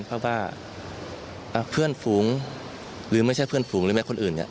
เพราะว่าเพื่อนฝูงหรือไม่ใช่เพื่อนฝูงหรือไม่คนอื่นเนี่ย